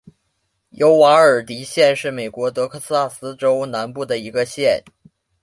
尤瓦尔迪县是美国德克萨斯州南部的一个县。